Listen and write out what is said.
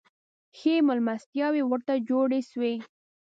ښې مېلمستیاوي ورته جوړي سوې.